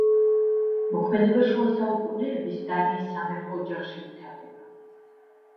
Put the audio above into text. მოქმედება შუასაუკუნეების დანიის სამეფო ოჯახში ვითარდება.